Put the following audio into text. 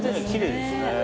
きれいですね。